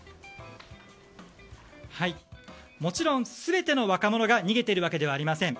はい、もちろん全ての若者が逃げているわけではありません。